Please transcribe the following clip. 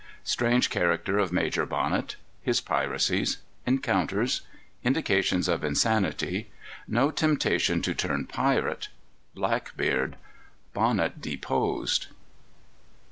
Strange Character of Major Bonnet. His Piracies. Encounters. Indications of Insanity. No Temptation to Turn Pirate. Blackbeard. Bonnet Deposed.